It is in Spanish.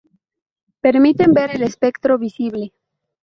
Permiten ver el espectro visible.